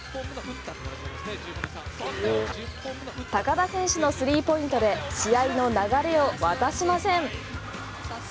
高田選手の３ポイントで試合の流れを渡しません。